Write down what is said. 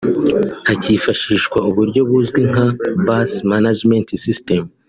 hakifashishwa uburyo buzwi nka ‘Bus Management System’